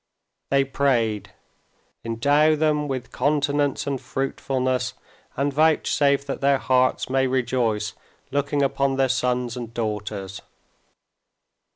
They prayed: "Endow them with continence and fruitfulness, and vouchsafe that their hearts may rejoice looking upon their sons and daughters."